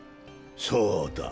そうだ。